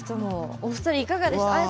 お二人いかがでした？